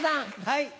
はい。